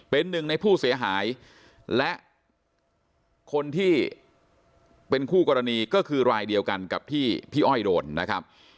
เป็นหนึ่งในผู้เสียหายและคนที่เป็นคู่กรณีก็คือรายเดียวกันกับที่พี่อ้อยโดนนะครับ